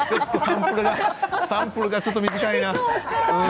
サンプルがちょっと短いな。